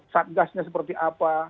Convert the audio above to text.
satgasnya seperti apa